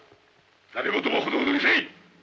戯言もほどほどにせい！